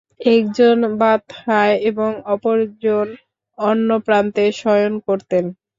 একজন বাতহায় এবং অপরজন অন্য প্রান্তে শয়ন করতেন।